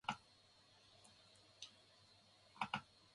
Many of his fans believed that he was innocent.